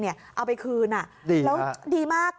เอาไปคืนแล้วดีมาก